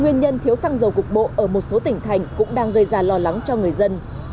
nguyên nhân thiếu xăng dầu cục bộ ở một số tỉnh thành cũng đang gây ra lo lắng cho người dân